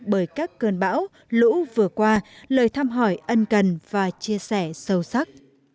bởi các cơn bão lũ vừa qua lời thăm hỏi ân cần và chia sẻ sâu sắc